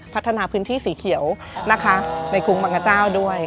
พัฒนาพื้นที่สีเขียวในคุมบังกาเจ้าด้วย